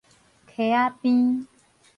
溪仔邊